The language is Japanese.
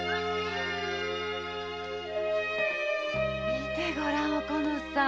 見てご覧おこのさん